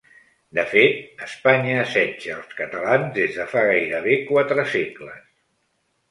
De fet, Espanya assetja els catalans des de fa gairebé quatre segles.